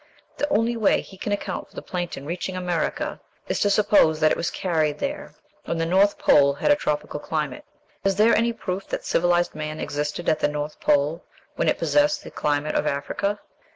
The only way he can account for the plantain reaching America is to suppose that it was carried there when the North Pole had a tropical climate! Is there any proof that civilized man existed at the North Pole when it possessed the climate of Africa?